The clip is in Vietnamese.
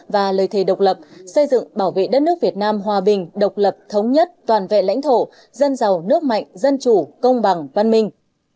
và lời thề độc lập xây dựng bảo vệ đất nước việt nam hòa bình độc lập thống nhất toàn vẹn lãnh thổ dân giàu nước mạnh dân chủ công bằng văn minh